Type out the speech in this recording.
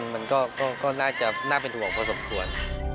มันก็น่าเป็นห่วงพอสมควร